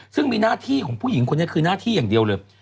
ซึ่งมีหน้าที่ของผู้หญิงคนนี้คือหน้าที่อย่างเดียวเลย